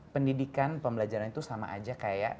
pendidikan pembelajaran itu sama aja kayak